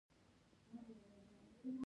د خوست په نادر شاه کوټ کې د مسو نښې شته.